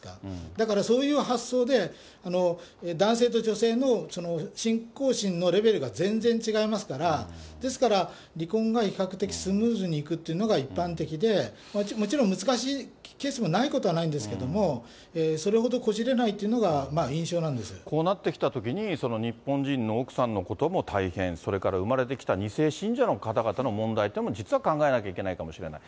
だからそういう発想で男性と女性の信仰心のレベルが全然違いますから、ですから、離婚が比較的スムーズにいくっていうのが一般的で、もちろん難しいケースもないことはないんですけど、それほどこじこうなってきたときに、日本人の奥さんのことも大変、それから生まれてきた２世信者の方々の問題っていうのも、実は考えなきゃいけないかもしれない。